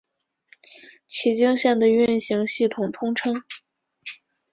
崎京线的运行系统通称。